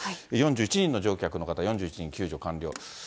４１人の乗客の方、４１人救助完了。